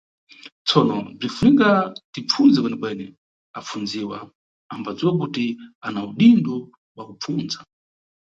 Tsono, bzinʼfunika tipfundze kwenekwene, apfundziwa ambadziwa kuti ana udindo bwa kupfundza.